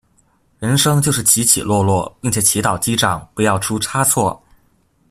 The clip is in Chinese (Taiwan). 人生就是起起落落，並且祈禱機長不要出差錯